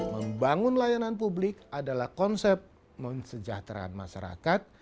membangun layanan publik adalah konsep mensejahteraan masyarakat